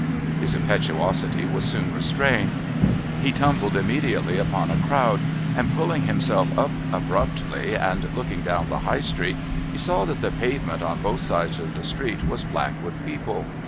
His impetuosity was soon restrained. He tumbled immediately into a crowd, and pulling himself up abruptly and looking down the High Street he saw that the pavement on both sides of the street was black with people.